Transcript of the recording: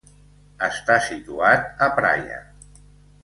Està situat a Praia.